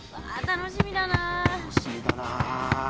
楽しみだな。